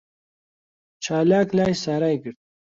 چالاک لای سارای گرت.